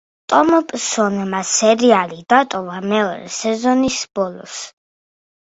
ტომპსონმა სერიალი დატოვა მეორე სეზონის ბოლოს.